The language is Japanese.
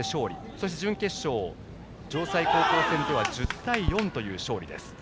そして準決勝、城西高校戦では１０対４という勝利です。